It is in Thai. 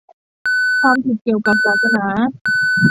ความผิดเกี่ยวกับศาสนา